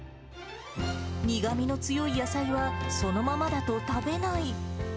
苦みの強い野菜は、そのままだと食べない。